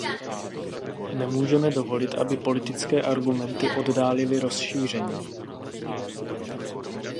Nemůžeme dovolit, aby politické argumenty oddálily rozšíření.